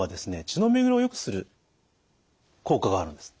血の巡りをよくする効果があるんです。